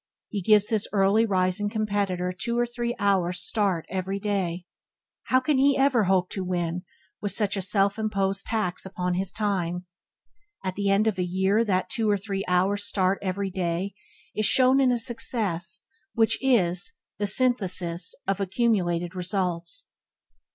He gives his early rising competitor two or three hours start every day. How can he ever hope to win with such a self imposed tax upon his time? At the end of a year that two or three hours start every day is shown in a success which is the synthesis of accumulated results.